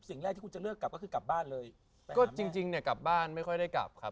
สิ่งแรกที่คุณจะเลือกกลับก็คือกลับบ้านเลยก็จริงจริงเนี่ยกลับบ้านไม่ค่อยได้กลับครับ